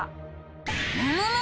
むむむ！